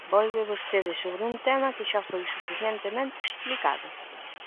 Volve vostede sobre un tema que xa foi suficientemente explicado.